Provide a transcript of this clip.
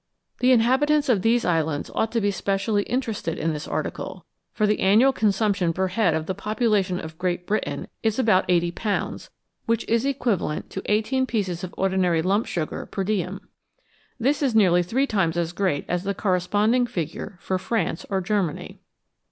The inhabi tants of these islands ought to be specially interested in this article, for the annual consumption per head of the population of Great Britain is about 80 Ibs., which is equivalent to eighteen pieces of ordinary lump sugar per diem. This is nearly three times as great as the corresponding figure for France or Germany.